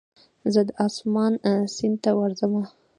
زه د اسمان سیند ته ورځمه